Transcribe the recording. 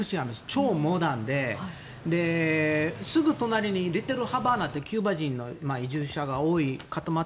超モダンですぐ隣にリトルハバナがありキューバ人が移住者が多い。